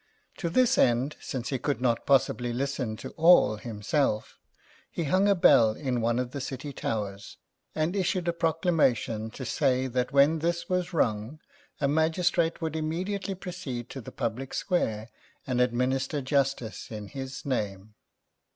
To this end, since he could not possibly listen to all himself, he hung a bell in one of the city towers, and issued a proclamation to say that when this was rung a magistrate would immediately proceed to the public square and administer justice in his name.